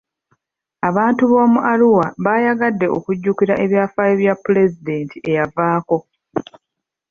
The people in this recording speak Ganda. Abantu b'omu Arua baayagadde okujjukira ebyafaayo bya pulezidenti eyavaako.